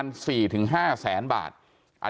ความปลอดภัยของนายอภิรักษ์และครอบครัวด้วยซ้ำ